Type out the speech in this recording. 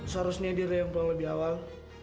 seharusnya diri yang pulang lebih awal